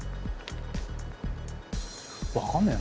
分かんねえな。